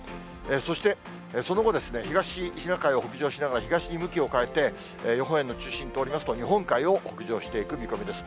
そして、その後、東シナ海を北上しながら、東に向きを変えて、予報円の中心通りますと、日本海を北上していく見込みです。